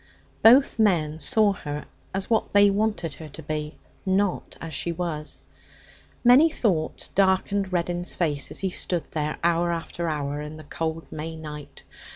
Both men saw her as what they wanted her to be, not as she was. Many thoughts darkened Reddin's face as he stood there hour after hour in the cold May night.